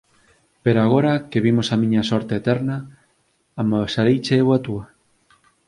Pero agora que vimos a miña sorte eterna, amosareiche eu a túa?